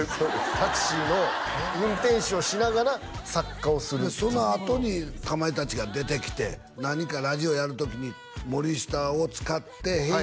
タクシーの運転手をしながら作家をするっていうそのあとにかまいたちが出てきて何かラジオやる時に森下を使って「ヘイ！